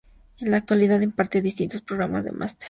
En la actualidad imparte distintos programas de máster.